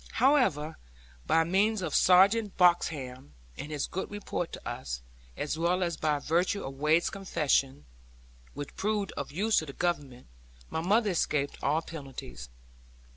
However, by means of Sergeant Bloxham, and his good report of us, as well as by virtue of Wade's confession (which proved of use to the Government) my mother escaped all penalties.